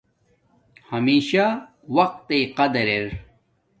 ہمشہ وقت تݵ قدر ار